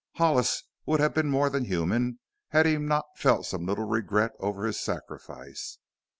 Hollis would have been more than human had he not felt some little regret over his sacrifice.